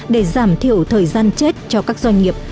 để giảm thiểu thời gian chết cho các doanh nghiệp